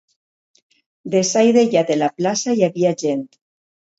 Deçà i dellà de la plaça hi havia gent.